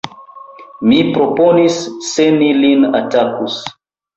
mi proponis: se ni lin atakus!